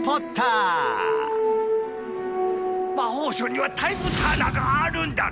魔法省にはタイムターナーがあるんだろ。